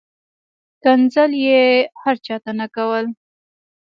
ښکنځل یې هر چاته نه کول.